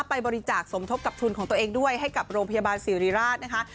ไปบริจาคสมทบกับทุนของตัวเองด้วยให้กับโรงพยาบาลศิริราชนะคะ